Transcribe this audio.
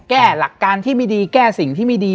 หลักการที่ไม่ดีแก้สิ่งที่ไม่ดี